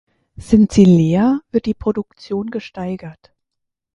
Sind sie leer, wird die Produktion gesteigert.